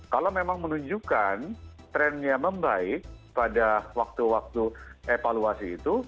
kalau memang menunjukkan trennya membaik pada waktu waktu evaluasi itu